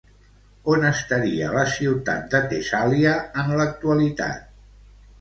On estaria la ciutat de Tessàlia en l'actualitat?